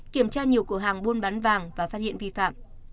kiểm tra nhiều cửa hàng buôn bán vàng và phát hiện vi phạm